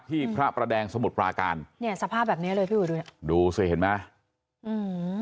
พระประแดงสมุทรปราการเนี่ยสภาพแบบเนี้ยเลยพี่อุ๋ยดูสิเห็นไหมอืม